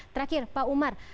terakhir pak umar